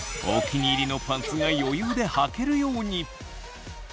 お気に入りのパンツが余裕ではけるように。